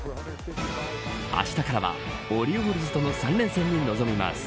あしたからはオリオールズとの三連戦に臨みます。